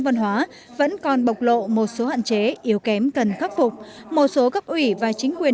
văn hóa vẫn còn bộc lộ một số hạn chế yếu kém cần khắc phục một số cấp ủy và chính quyền